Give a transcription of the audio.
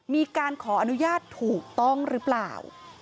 มีการขออนุญาตถูกต้องหรือเปล่า